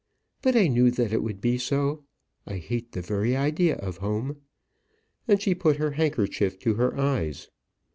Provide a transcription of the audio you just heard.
But I knew that it would be so. I hate the very idea of home." And she put her handkerchief to her eyes.